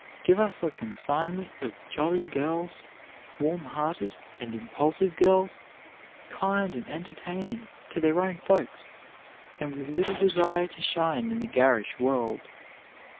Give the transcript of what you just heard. Give us a consignment of jolly girls, warm hearted and impulsive girls; kind and entertaining to their own folks, and with little desire to shine in the garish world.